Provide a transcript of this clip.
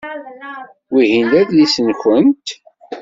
Wihin d adlis-nwent?